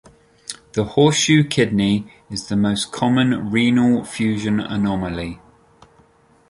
The 'horseshoe kidney' is the most common renal fusion anomaly.